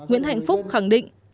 nguyễn hạnh phúc khẳng định